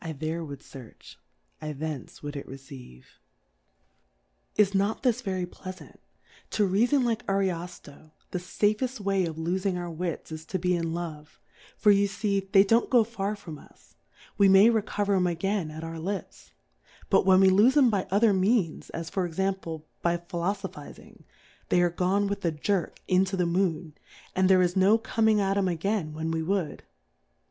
there ivould fearch, I thence ivould it receive. Is not this very pleafant? Toreafon like Anofioy the fafeft Way of lofing our Wits is to be in Love ; for you fee they don't go far from us, v^e may recover 'em again at our Lips ; but when we lofe 'em by otlier Means, as for Example, by Philofophizing, they are gone with a Jerk into the Moon, and there is no coming at 'em again when we would.